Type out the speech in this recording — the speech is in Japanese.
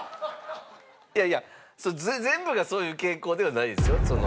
いやいや全部がそういう傾向ではないですよ。